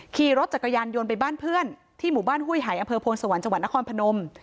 ขี่รถจักรยานยนต์ไปบ้านเพื่อนที่หมู่บ้านห้วยหายอำเภอพลสวรรค์จังหวัดนครพนม